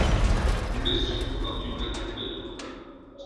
Le site comporte une vingtaine de tombes.